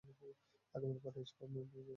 আগামীকাল পার্টি অফিসে আপনার ইন্টারভিউ রয়েছে।